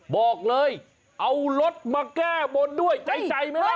บอกเลยเอารถมาแก้บนด้วยใจไหมล่ะ